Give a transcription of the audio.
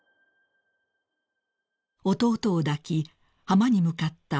［弟を抱き浜に向かったフジさん］